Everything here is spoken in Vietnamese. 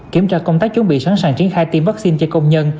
kiểm tra công tác chuẩn bị sẵn sàng triển khai tiêm vaccine cho công nhân